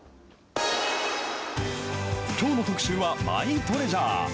きょうの特集はマイトレジャー。